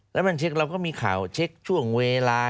แล้วมันเช็คเราก็มีข่าวเช็คช่วงเวลา